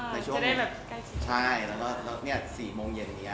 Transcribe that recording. ในช่วง๔โมงเย็นนี้